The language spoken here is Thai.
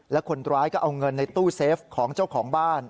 และคนร้ายก็เอาเงินในตู้เซฟของเจ้าของบ้าน